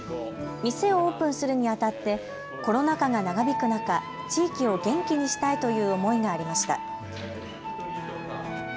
店をオープンするにあたってコロナ禍が長引く中、地域を元気にしたいという思いがありました。